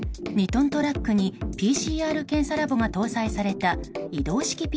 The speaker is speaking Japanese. ２トントラックにＰＣＲ検査ラボが搭載された移動式